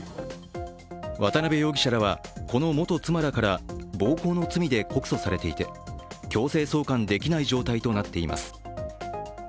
渡辺容疑者らは、この元妻らから暴行の罪で告訴されていて強制送還できない状態となっています。